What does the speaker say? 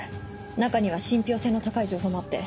中には信憑性の高い情報もあって。